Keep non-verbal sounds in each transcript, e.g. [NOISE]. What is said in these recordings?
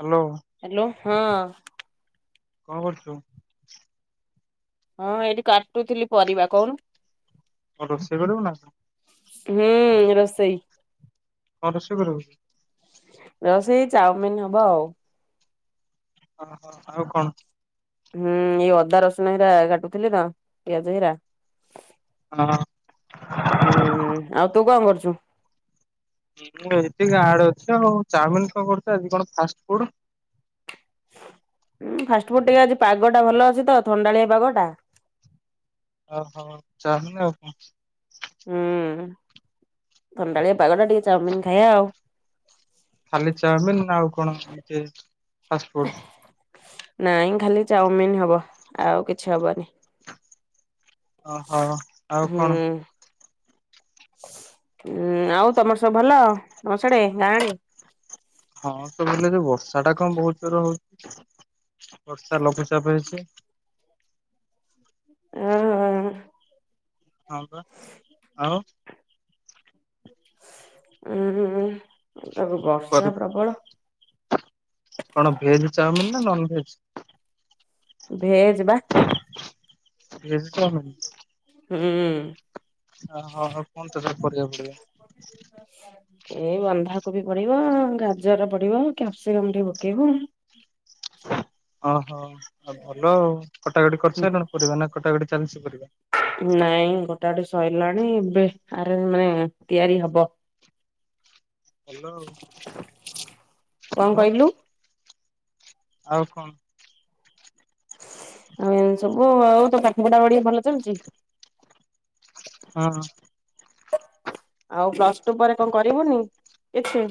Hello. Hello ହଁ। କଣ କରୁଛୁ? ହଁ ଏଇଠି କାଟୁଥିଲି ପରିବା କହୁନୁ। କଣ ରୋଷେଇ କରିବୁ ଏଇନା? ହୁଁ, ରୋଷେଇ। କଣ ରୋଷେଇ କରିବୁ? ରୋଷେଇ ଚାଓମିିନ୍ ହବ ଆଉ। ଅହ ଆଉ କଣ? ହୁଁ, ଏଇ ଅଦା ରସୁଣ ହେରା କାଟୁଥିଲି ତ ପିଆଜ ହେରିକା। ହଁ। ହୁଁ, ଆଉ ତୁ କଣ କରୁଛୁ? ହଁ ଏଇଠି ଗାଁ ଆଡେ ଅଛି ଆଉ। ଚାଓମିନ୍ କଣ କରୁଚୁ ଆଜି କଣ ଫାଷ୍ଟ ଫୁଡ୍। ଉଁ ଫାଷ୍ଟଫୁଡ୍ ଟିକେ ଆଜି ପାଗ ଟା ଭଲ ଅଛି ତ ଥଣ୍ଡାଳିଆ ପାଗ ଟା। ଅହ ଚାଓମିନ୍ ଆଉ କଣ? ହୁଁ, ଥଣ୍ଡାଳିଆ ପାଗ ଟା ଟିକେ ଚାଓମିନ ଖାଇବା ଆଉ। ଖାଲି ଚାଓମିିନ୍ ନା ଆଉ କଣ ହେଇଚି ଫାଷ୍ଟ ଫୁଡ୍। ନାଇଁ ଖାଲି ଚାଓମିନ୍ ହବ ଆଉ କିଛି ହବନି। ଅହ ଆଉ କଣ? ଉଁ, ଆଉ ତମର ସବୁ ଭଲ, ତମ ସିଆଡେ ଗାଁ ଆଡେ? ହଁ ତ [UNINTELLIGIBLE] ବର୍ଷାଟା କଣ ବହୁତ ଜୋରରେ ହଉଛି ବର୍ଷା ଲଘୁଚାପ ହେଇଛି। ହଁ ଅ ହଁ। ହଁବା, ଆଉ? ଉଁ, ତ ଏବେ କରି ବର୍ଷା ପ୍ରବଳ କଣ ଭେଜ୍ ଚାଓମିିନ୍ ନା ନନ୍ ଭେଜ୍? ଭେଜ୍ ବା। Veg chow mein. ହୁଁ। ଅ ହ ହ, କଣ ତାଦେହରେ ପରିବା ପଡିବ? ହ ହ [UNINTELLIGIBLE] ଏଇ ବନ୍ଧାକୋବି ପଡିବ, ଗାଜର ପଡିବ, କ୍ୟାପସିକମ୍ ଟିକେ ପକେଇବୁ। ଅହ ଆଉ ଭଲ ଆଉ, କଟାକଟି ହୁଁ କରିସାରିଲଣି ପରିବା ନା କଟାକଟି ଚାଲିଛି ପରିବା? ନାଇଁ କଟା କଟି ସଇଲାଣି ଏବେ ଆରେନ ମାନେ ତିଆରି ହବ। ଭଲ ଆଉ। କଣ ଆଉ? କହିଲୁ ଆଉ କଣ? ଆଉ ଏମିତି ସବୁ ଆଉ, ଆଉ ତୋ ପାଠ ପଢ଼ାପଢ଼ି ଭଲ ଚାଲିଛି? ହଁ, ହଁ। ଆଉ ପ୍ଲସ୍ ଟୁ ପରେ କଣ କରିବୁନି କିଛି?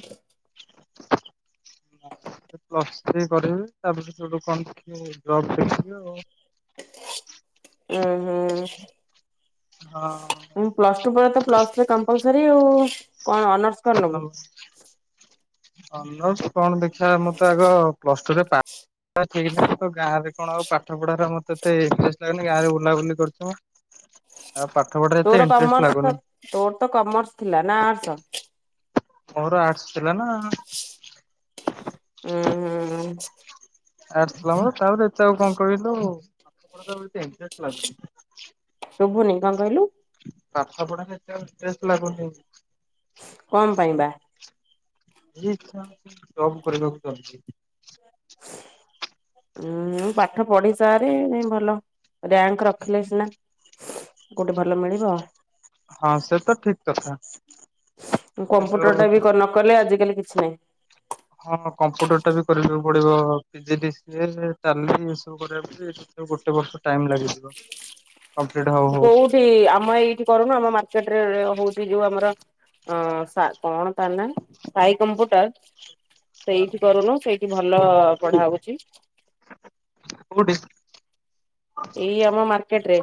ପ୍ଳସ ଥ୍ରି କରିବି। ତାପରେ ସେଠୁ ଗୋଟେ କଣ ଜବ୍ ଦେଖିବି ଆଉ। ଉଁ ହୁଁ। ହୁଁ, ପ୍ଲସ୍ ଟୁ ପରେ ତ ପ୍ଲସ୍ ଥ୍ରି କମ୍ପଲସରୀ ଆଉ। କଣ ଅନର୍ସ କଣ ନବୁ ଅନର୍ସ କଣ ଦେଖିବା ମୁଁ ତ ଆଗ ପ୍ଲସ୍ ଟୁରେ ପା ଗାଁରେ କଣ ଆଉ ପାଠ ପଢାରେ ଆମର ତ ଏତେ ଇଣ୍ଟରେଷ୍ଟ ଲାଗୁନି ଗାଁରେ ବୁଲାବୁଲି କରୁଥିବ। ଆଉ ପାଠ ପଢାରେ ତୋର ଏତେ ଇଣ୍ଟରେଷ୍ଟ କମର୍ସ ତ ଲାଗୁନି। ତୋର ତ କମର୍ସ ଥିଲା ନା ଆର୍ଟସ? ମୋର ଆର୍ଟସ୍ ଥିଲା ନା। ଉଁ ହୁଁ। ଆର୍ଟସ୍ ଥିଲା ମୋର, ତାପରେ ଏତେ ଆଉ କଣ କହିଲୁ, ପାଠ ପଢା ପ୍ରତି ଇଣ୍ଟ୍ରେଷ୍ଟ୍ ଲାଗୁନି। ଶୁବୁନି, କଣ କହିଲୁ? ପାଠ ପଢାରେ ଏତେ ଆଉ ଇଣ୍ଟ୍ରେଷ୍ଟ୍ ଲାଗୁନି। କଣ ପାଇଁ ବା? ଭାରି ଇଛା ହଉଚି, ଜବ୍ କରିବାକୁ ଚାହୁଚି। ଉଁ ପାଠ ପଢି ସାରେ, ଯାଇଁ ଭଲ ରାଙ୍କ ରଖିଲେ ସିନା, କୋଉଠି ଭଲ ମିଳିବ? ହଁ ସେ ତ ଠିକ୍ କଥା। ତୁ କିନ୍ତୁ କମ୍ପ୍ୟୁଟର୍ ଟା ବି କ ନ କଲେ, ଆଜିକାଲି କିଛି ନାହିଁ। ହଁ କମ୍ପୁଟର ଟା ବି କରିବାକୁ ପଡିବ। ପିଜି ଡିସିଏ, ଟାଲି ଏ ସବୁ କରିବାକୁ ଗୋଟେ ବର୍ଷ ଟାଇମ୍ ଲାଗିଯିବ। କମ୍ପ୍ଲିଟ୍ ହଉ ହଉ। ଏଇଠି, ଆମ ଏଇଠି କରୁନୁ ଆମ ମାର୍କେଟ ରେ ହଉଚି ଯୋଉ ଆମର ଅଁ ସା, କଣ ତା ନା, ସାଇ କମ୍ପ୍ୟୁଟର ସେଇଠି କରୁନୁ, ସେଇଠି ଭଲ ପଢା ହଉଚି। କୋଉଠି? ଏଇ ଆମ ମାର୍କେଟ୍ ରେ,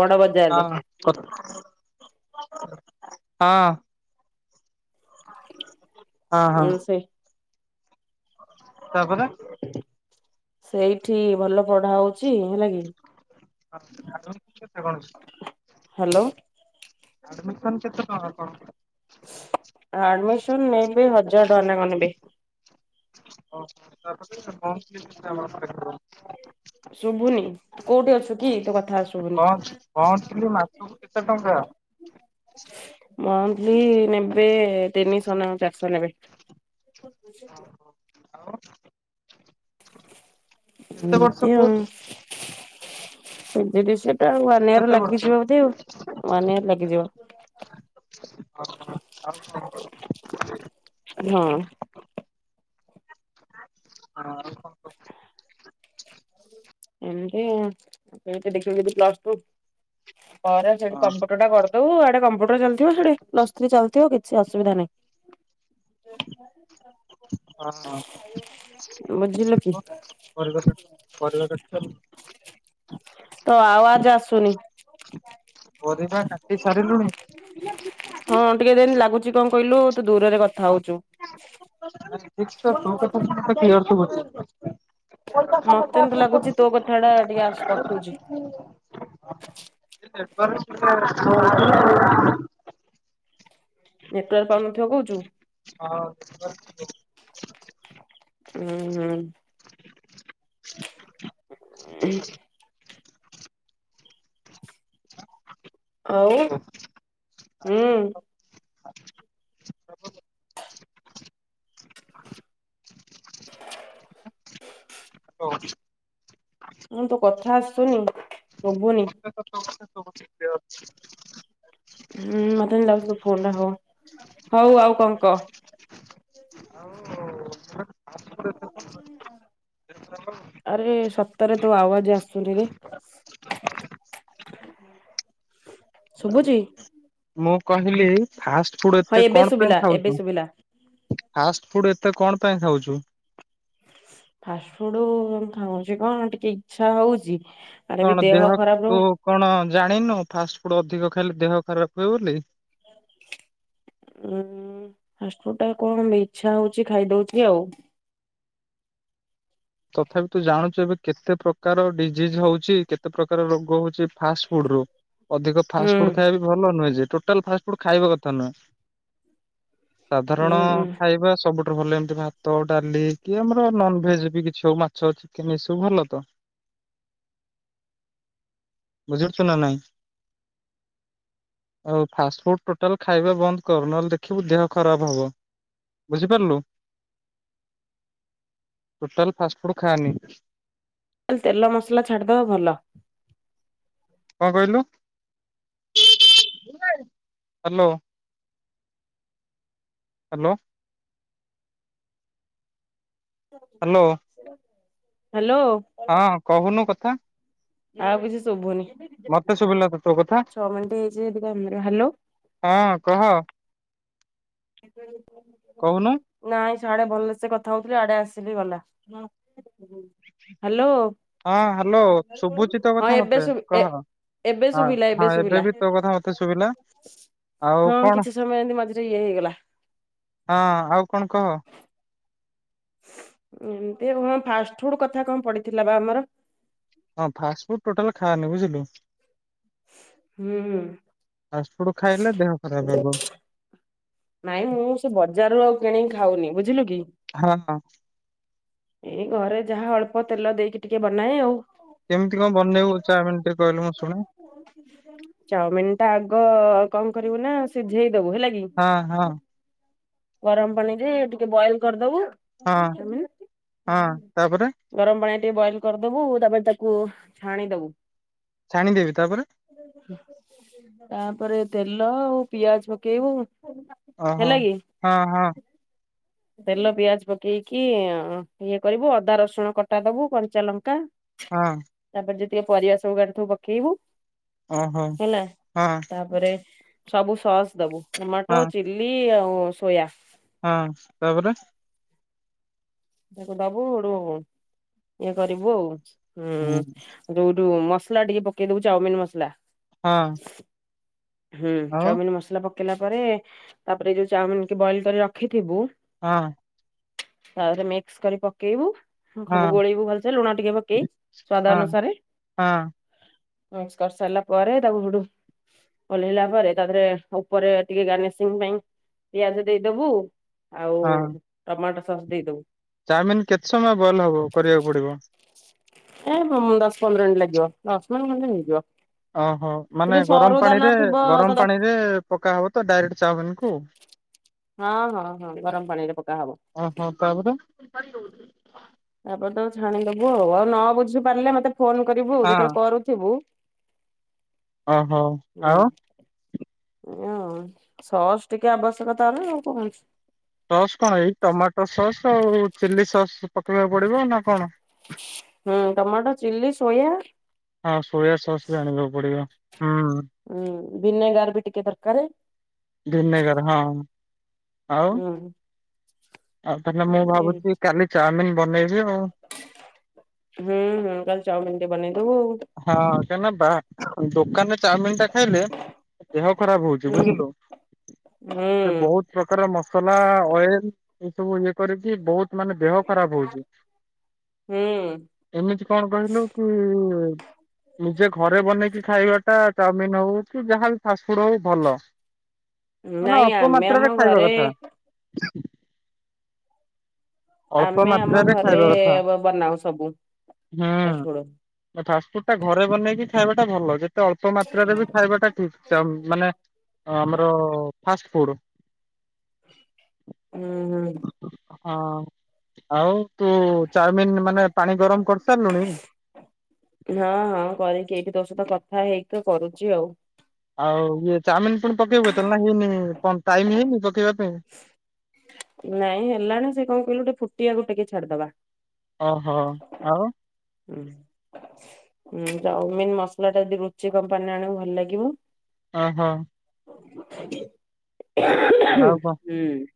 ବଡ ବଜାର୍ ରେ। [UNINTELLIGIBLE] ହଁ। ହଁ ହଁ। ଉଁ ସେ ତାପରେ ସେଇଠି ଭଲ ପଢା ହଉଚି, ହେଲା କି? [UNINTELLIGIBLE] ହାଲୋ। ଆଡମିସନ୍ କେତେ ଟଙ୍କା କଣ? ଆଡମିସନ୍ ନେବେ, ହଜାର ଟଙ୍କା ନାଖେ ନେବେ? ଓ [UNINTELLIGIBLE] [UNINTELLIGIBLE] ଶୁଭୁନି ତୁ କୋଉଠି ଅଛୁ କି ତୋ କଥା ଶୁଭୁନି। ମନ୍ଥଲି ମାସକୁ କେତେ ଟଙ୍କା? [UNINTELLIGIBLE] ମନ୍ଥଲି ନେବେ ତିନିଶହ, ନା ଚାରିଶହ ନେବେ। ଓହୋ, ଆଉ କେତେ ବର୍ଷ ଏମିତି ଆଉ [UNINTELLIGIBLE] କୋଉଠି ୱାନ୍ କୋଉଠି ଇୟର୍ କେତେ ବର୍ଷ? ଲାଗିଯିବ ବୋଧେ ଆଉ, ୱାନ୍ ଇୟର୍ ଲାଗିଯିବ। [UNINTELLIGIBLE] [UNINTELLIGIBLE] ହଁ। ଆଉ କଣ? ଏମତି ଆଉ, ସେଇଠି ଦେଖିବି ଯଦି ପ୍ଲସ୍ ଟୁ, ପରେ ସେଠି ହଁ କମ୍ପୁଟର ଟା କର୍ [UNINTELLIGIBLE] ୟେଡେ କମ୍ପ୍ୟୁଟର ଚାଲିଥିବ, ସିଆଡ଼େ ପ୍ଲସ ଥ୍ରି ଚାଲିଥିବ [UNINTELLIGIBLE] କିଛି ଅସୁବିଧା ନାହିଁ। ବୁଝିଲୁ କି [UNINTELLIGIBLE] ତୋ ଅୱାଜ୍ ଆସୁନି। ପରିବା କାଟି ସାରିଲୁଣି? ପରିବା କାଟି ହଁ, ସାରିଲୁଣି? ଟିକେ ଯେମିତି ଲାଗୁଚି କଣ କହିଲୁ, ତୁ ଦୂରରେ କ ହଁ, ଏବେତ ତୋ କଥା ମତେ ଏମିତି ଲାଗୁଛି ତୋ କଥା ଟା ମତେ ଟିକେ ଆସୁ କଟୁଛି କ୍ଳିଅର୍ ଶୁଭୁଚି। [UNINTELLIGIBLE] [INAUDIBLE] ନେଟୱାର୍କ ପାଉନ ଥିବ କହୁଚୁ? ହଁ, [INAUDIBLE] ଉଁ, ହୁଁ। [UNINTELLIGIBLE] ଆଉ, ଉଁ। [UNINTELLIGIBLE] ମୁଁ ତୋ କଥା ଆସୁନି, ଶୁଭୁନି। ହୁଁ, ମତେ [UNINTELLIGIBLE] ଲାଗୁୁଚି ତୁ ଫୋନ୍ ଟା ହ, ହଉ ଆଉ କଂ କହ? ଆରେ ସତରେ ତୋ ଆୱାଜ୍ ଆସୁନି ରେ! [INAUDIBLE] ଶୁଭୁଚି? ମୁଁ କହିଲି, ଫାଷ୍ଟ୍ ଫୁଡ୍ ହଁ ଏତେ ଏବେ କଣ ପାଇଁ ଶୁଭିଲା ଏବେ ଖାଉଚୁ? ଶୁଭିଲା ଫାଷ୍ଟ୍ ଫୁଡ୍ ଏତେ କଣ ପାଇଁ ଖାଉଚୁ? ଫାଷ୍ଟ୍ ଫୁଡୁ ଖାଉଁଛି କଣ ଟିକେ ଇଛା ହଉଚି, ଆଡେ ବି କଣ ଦେହ ଖରାପ ତୁ ରହୁ କଣ ଜାଣିନୁ! ଫାଷ୍ଟ୍ ଫୁଡ୍ ଅଧିକ ଖାଇଲେ ଦେହ ଖରାପ ହୁଏ ବୋଲି? ଉଁ-ଉଁ ଫାଷ୍ଟ୍ ଫୁଡ଼୍ ଟା କଣ ଇଚ୍ଛା ହଉଛି, ଖାଇଦଉଚି ଆଉ। ତଥାପି ତୁ ଜାଣୁଚୁ, ଏବେ କେତେ ପ୍ରକାର ଡିଜିଜ୍ ହଉଚି, କେତେ ପ୍ରକାର ରୋଗ ହଉଚି ଏଇ ଫାଷ୍ଟ୍ ଫୁଡ୍ ରୁ? ଅଧିକ ହୁଁ ଫାଷ୍ଟ୍ ଫୁଡ୍ ଖାଇବା ବି ଭଲ ନୁହେଁ ଯେ। ଟୋଟାଲ୍ ଫାଷ୍ଟ୍ ଫୁଡ୍ ଖାଇବା କଥା ନୁହେଁ। ସାଧାରଣ। ହୁଁ ହୁଁ ଖାଇବା ସବୁଠାରୁ ଭଲ ଏମିତି ଭାତ, ଡାଲି, କି ଆମର ନନ୍ ଭେଜ୍ ବି ସଉ ମାଛ, ଚିକେନ୍ ଏ ସବୁ ଭଲ ତ। ବୁଝି [UNINTELLIGIBLE] ଚୁ ନା ନାଇଁ! ଆଉ ଫାଷ୍ଟ୍ ଫୁଡ୍ ଟୋଟାଲ୍ ଖାଇବା ବନ୍ଦ କର। ନହେଲ୍ ଦେଖିବୁ ଦେହ ଖରାପ ହବ। ବୁଝିପାରିଲୁ? Total fast food ଖାନି। [UNINTELLIGIBLE] ତେଲ ମସଲା ଛାଡ଼୍ ଦବା ଭଲ। କଣ କହିଲୁ? ହ୍ୟାଲୋ। ହ୍ୟାଲୋ। ହ୍ୟାଲୋ। ହ୍ୟାଲୋ। ହଁ, କହୁନୁ କଥା? ଆଉ କିଛି ଶୁଭୁନି? ମତେ ଶୁଭିଲା ତ ତୋ କଥା ଛଅ ମିନ୍ଟି ହେଇଚି [UNINTELLIGIBLE] ହ୍ୟାଲୋ। ହଁ, କହ। କହୁନୁ [INAUDIBLE] ନାଇଁ, ସାଡେ ଭଲସେ କଥା ହଉଥିଲି, ଆଡେ ଆସିଲି ଗଲା। [INAUDIBLE] ହ୍ୟାଲୋ, ହଁ ହ୍ୟାଲୋ ଶୁଭୁଛି ତୋ ହଁ, କଥା ଏବେ ମତେ ଶୁଭି କହ ଏ ଏବେ ହଁ ଶୁଭିଲା ଏବେ ହଁ ଶୁଭିଲା। ବି ତୋ କଥା ମତେ ଶୁଭିଲା ଆଉ ହଁ, କଣ କିଛି ସମୟ ଏଁତି ମଝିରେ ଇଏ ହେଇଗଲା। ହଁ, ଆଉ କଣ କହ? ଏମତି ଆଉ ହଁ, ଫାଷ୍ଟ ଫୁଡ୍ କଥା କଣ ପଡିଥିଲା ବା ଆମର? ହଁ, ଫାଷ୍ଟ୍ ଫୁଡ୍ ଟୋଟାଲ୍ ଖାନି ବୁଝିଲୁ! ହୁଁ। ଫାଷ୍ଟ୍ ଫୁଡ୍ ଖାଇଲେ ଦେହ ଖରାପ ହେବ। ନାଇଁ, ମୁଁ ସେ ବଜାରରୁ ଆଉ କିଣିକି ଖାଉନି। ବୁଝିଲୁ କି? ହଁ। ଏଇ ଘରେ ଯାହା ଅଳ୍ପ ତେଲ ଦେଇକି ଟିକେ ବନାଏ ଆଉ। କେମିତି କଣ ବନେଇବୁ ଚାଓମିନି ଟିକେ କହିଲୁ ମୁଁ ଶୁଣେ? ଚାଉମିିନି ଟା ଆଗ କଣ କରିବୁ ନା ସିଝେଇ ଦବୁ ହେଲା କି। ହଁ ହଁ। ଗରମ ପାଣିରେ ଟିକେ ବଏଲ କରିଦବୁ। ହଁ ଚାଉମିନ। ହଁ ତାପରେ? ଗରମ ପାଣି ଟିକେ ବଏଲ କରିଦବୁ ତାପରେ ତାକୁ ଛାଣିଦବୁ। ଛାଣିଦେବି ତାପରେ? ତାପରେ ତେଲ ଆଉ ପିଆଜ ପକେଇବୁ। ଅହ ହେଲା କି ହଁ ହଁ। ତେଲ ପିଆଜ ପକେଇକି ଇଏ କରିବୁ ଅଦା ରସୁଣ କଟା ଦବୁ କଞ୍ଚା ଲଙ୍କା ହଁ। ତାପରେ ଯେତିକି ପରିବା ସବୁ କାଟି ଥିବୁ ପକେଇବୁ ଓହୋ ହେଲା ହଁ ତାପରେ ସବୁ ସସ୍ ଦବୁ ହଁ ଟମାଟୋ ଚିଲି ଆଉ ସୋୟା। ହଁ ତାପରେ। ତାକୁ ଦବୁ ହେଡୁ ଇଏ କରିବୁ ଆଉ ହୁଁ। ହଁ ହେଡୁ ଡୁ ମସଲା ଟିକେ ପକେଇ ଦବୁ ଚାଉମିନି ମସଲା। ହଁ। ହୁଁ ଚାଉମିନି ମସଲା ପକେଇଲା ପରେ ତାପରେ ଯୋଉ ଚାଉମିନି କି ବଏଲ କରି ରଖିଥିବୁ। ହଁ। ତାରେ ମିକ୍ସ କରି ପକେଇବୁ। ହଁ ଖବୁ ଗୋଳିବୁ ଭଲସେ ଲୁଣ ଟିକେ ପକେଇ ସ୍ଵାଦ ହଁ ଅନୁସାରେ। ହଁ ହସ୍ କରି ସାରିଲା ପରେ ତାକୁ ହୁଡୁ ଓହ୍ଲେଇଲା ପରେ ତା ଦେରେ ଉପରେ ଟିକେ ଗାର୍ନିସିଂ ପାଇଁ ପିଆଜ ଦେଇଦବୁ। ଆଉ ଟମାଟୋ ସସ୍ ଦେଇଦବୁ। ଚାଉମିନି କେତେ ସମୟ ବଏଲ ହବ କରିବାକୁ ପଡିବ? ଏ ଦଶ ପନ୍ଦର ମିନିଟ ଲାଗିବ ଦଶ ମିନିଟି ଖଣ୍ଟ ହେଇଯିବ? ଅହ ମାନେ ଯଦି ଗରମ ସରୁ ଦାନା ପାଣିରେ ଥିବ ଗରମ ତ ପାଣି ରେ ପକା ହବ ତ ଡାଇରେକ୍ଟ ଚାଉମିନିକୁ? ହଁ ହଁ ହଁ ଗରମ ପାଣି ରେ ପକା ହବ। ଅହ ତାପରେ? ତାପରେ ତ ଛାଣିଦବୁ ଆଉ ଆଉ ନ ବୁଝି ପାରିଲେ ମତେ ଫୋନ କରିବୁ ଯେତେବେଳେ ହଁ କରୁଥିବୁ ଓହୋ ଉଁ। ଆଉ ଏଁଆଉ ସସ୍ ଟିକେ ଆବଶ୍ୟକତା ନା ଆଉ କଣ ଅଛି। ସସ୍ କଣ ଏଇ ଟମାଟୋ ସସ୍ ଆଉ ଚିଲି ସସ୍ ପକେଇବାକୁ ପଡିବ ନା କଣ? ହୁଁ ଟମାଟୋ ଚିଲ୍ଲି ସୋୟା। ହଁ ସୋୟା ସସ୍ ବି ଆଣିବାକୁ ପଡିବ ହୁଁ। ହୁଁ ବିନେଗାର ବି ଟିକେ ଦରକାରେ। ଭିନେଗାର ହଁ। ଆଉ ଉଁ। ଆଉ ତାହେଲେ ମୁଁ ଭାବୁଚି କାଲି ଚାଉମିିନି ବନେଇବି ଆଉ। ହୁଁ ହୁଁ କାଲି ଚାଉମିିନି ଟେ ବନେଇଦବୁ। ହଁ କାନା ବା ଦୋକାନ ରେ ଚାଉମିିନି ଟା ଖାଇଲେ ଦେହ ଖରାପ ହଉଚି ହୁଁ ବୁଝିଲୁ ସେ ହୁଁ। ବହୁତୁ ପ୍ରକାର ମସଲା ଅଏଲ ଏ ସବୁ ଇଏ କରିକି ବହୁତୁ ମାନେ ଦେହ ଖରାପ ହଉଚି ହୁଁ ଏମିତି କଣ କହିଲୁ କି ନିଜେ ଘରେ ବନେଇକି ଖାଇବା ଟା ଚାଉମିନି ହଉ କି ଯାହାଵି ଫାଷ୍ଟଫୁଡ ହଉ ଭଲ। ମାନେ ନାଇଁ ଅଳ୍ପ ଆମେ ଆମ ମାତ୍ରାରେ ଖାଇବା ଘରେ କଥା। [INAUDIBLE] ଅଳ୍ପ ଆମେ ଆମ ମାତ୍ରାରେ ଘରେ ଖାଇବା କଥା। ବନାଉ ସବୁ ଫାଷ୍ଟଫୁଡ ହୁଁ ଫାଷ୍ଟଫୁଡ ଟା ଘରେ ବନେଇକି ଖାଇବା ଟା ଭଲ। ଯେତେ ଅଳ୍ପ ମାତ୍ରାରେ ବି ଖାଇବାଟା ଥିକ ଚାଉ, ମାନେ ଆମର ଫାଷ୍ଟ ଫୁଡ ହୁଁ। ହଁ, ଆଉ ତୁ ଚାଉମିନ ମାନେ ପାଣି ଗରମ କରିସାରିଲୁଣି? [INAUDIBLE] ହଁ, ହଁ କରିକି, ଏଇଠି ତୋ ସହିତ କଥା ହେଇକି କରୁଚି ଆଉ। ଆଉ ଇଏ ଚାଉମିନ ପୁଣି ପକେଇବ, ତା ମାନେ କଣ ଟାଇମ ହେଇନି ପକେଇବା ପାଇଁ? ନାଇଁ ହେଲାଣି ସେ କଣ କହିଲୁ ଟିକେ ଫୁଟିବାକୁ ଟିକେ ଛାଡିଦବା। ଓହୋ, ଆଉ ଉଁହୁଁ ଉଁ ଚାଉମିନ ମସଲା ଟା ଯଦି ରୁଚି କମ୍ପାନୀରେ ଆଣିବୁ ଭଲ ଲାଗିବ। ଓହୋ। ଆଉ କଣ ହୁଁ।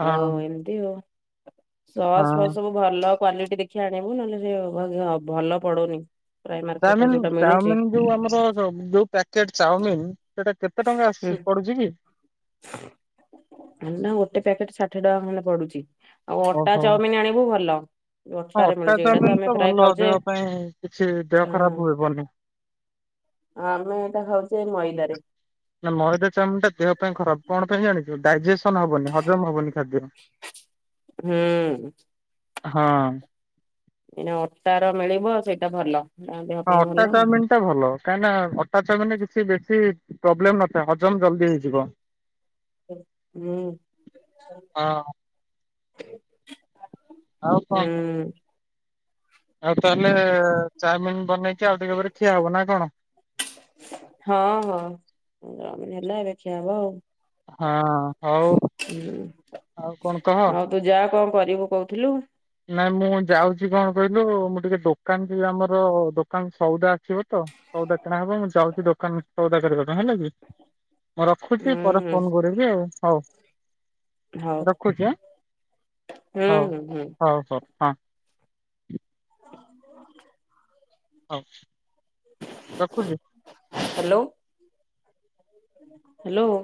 ହଁ। ଇଓ। ସସ୍ ଫସ୍ ହଁ ସବୁ ଭଲ କ୍ଵାଲିଟି ଦେଖି ଆଣିବୁ ନହେଲେ ହେରା ବାଗି ବା ଭଲ ପଡୁନି। ପ୍ରାୟ ମାର୍କେଟରେ ଚାଉମିିନ ଯୋଉଟା ମିଳୁଛି ଚାଉମିିନ ଯୋଉ ଆମର ଯୋଉ ପ୍ୟାକେଟ ଚାଉମିିନ ସେଟା କେତେ ଟଙ୍କା ହୁଁ ଆସଚି, ପଡୁଛି କି? ନା ଗୋଟେ ପ୍ୟାକେଟ ଷାଠଏ ଟଙ୍କା ଖଣ୍ଡେ ପଡୁଚି। ଆଉ ଅଟା ଓହୋ ଚାଉମିନ ଆଣିବୁ ଭଲ। ହଁ ଅଟାରେ ଅଟା ମିଳୁଚି। ଏଇଟା ତ ଚାଉମିନ ଆମେ ପ୍ରାଏ ଭଲ ଖାଉଚେ। ଦେହ ପାଇଁ କିଛି ଦେହ ଖରାପ ହଁ। ହେବନି। ଆମେ ଏଟା ଖାଉଚେ ମଇଦାରେ। ନା ମଇଦା ଚାମିନ ଟା ଦେହ ପାଇଁ ଖରାପ। କଣ ପାଇଁ ଜାଣିଚୁ ଡାଇଜେସନ ହବନି ହଜମ ହବନି ଖାଦ୍ୟ। ହୁଁ। ହଁ। ଏ ଯଉ ଅଟା ର ମିଳିବ ସେଇଟା ଭଲ। ଦେହ ହଁ, ପାଇଁ ଅଟା ଭଲ। ଚାଉମିନ ଟା ଭଲ। କାହିଁକି ନା ଅଟା ଚାଉମିନ ରେ କିଛି ବେଶୀ ପ୍ରୋବ୍ଲେମ ନ ସେ ହଜମ ଜଲ୍ଦି ହେଇଯିବ। ହଁ ହୁଁ। ଆଉ କଣ ହୁଁ। ଆଉ ତାହେଲେ ଚାଉମିନ ବନେଇକି ଆଉ ଟିକେ ପରେ ଖିଆ ହବ, ନା କଣ? ହଁ, ହଁ ଚାଉମିନ ହେଲା, ଏବେ ଖିଆ ହବ ଆଉ। ହଁ, ହଉ ହୁଁ, କଣ କହ? ଆଉ ତୁ ଯା କଣ କରିବୁ କହୁଥିଲୁ। ନାଇଁ ମୁଁ ଯାଉଛି କଣ କହିଲୁ, ମୁଁ ଟିକେ ଦୋକାନ ଯିବି ଆମର ଦୋକାନ ସଉଦା ଆସିବ ତ। ସଉଦା କିଣା ହବ। ମୁଁ ଯାଉଛି ଦୋକାନ ସଉଦା କରିବା ପାଇଁ, ହେଲା କି? ମୁଁ ହୁଁ ରଖୁଛି ପରେ ହୁଁ ଫୋନ କରିବି ଆଉ। ହଉ ହଉ ରଖୁଛି ଆଁ, ହୁଁ ହଉ, ହୁଁ ହୁଁ ହଉ, ହଉ। ହଁ। ହଉ, ରଖୁଚି। ହ୍ୟାଲୋ! ହ୍ୟାଲୋ।